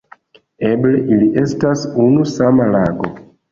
Eble ili estas unu sama lago.